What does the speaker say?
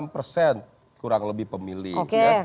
lima puluh enam persen kurang lebih pemilik